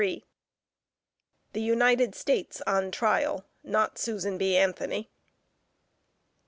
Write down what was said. THE UNITED STATES ON TRIAL; not SUSAN B. ANTHONY.